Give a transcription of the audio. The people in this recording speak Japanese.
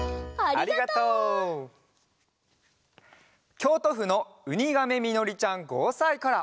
きょうとふのうにがめみのりちゃん５さいから。